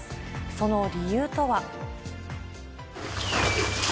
その理由とは。